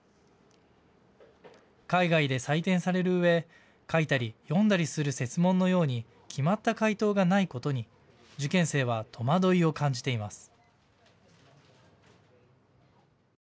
海外で採点されるうえ書いたり読んだりする設問のように決まった解答がないことに受験生は戸惑いを感じています。